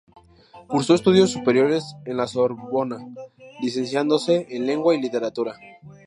Cursó estudios superiores en la Sorbona, licenciándose en Lengua y Literatura.